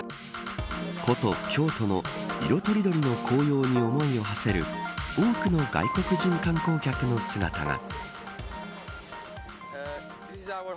古都、京都の色とりどりの紅葉に思いをはせる多くの外国人観光客の姿が。